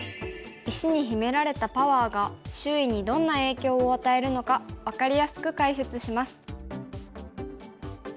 石に秘められたパワーが周囲にどんな影響を与えるのか分かりやすく解説します。